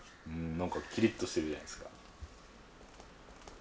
なんかキリッとしてるじゃないですか。